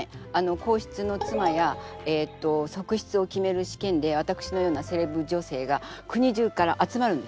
皇室のつまや側室を決める試験でわたくしのようなセレブ女性が国中から集まるんですね。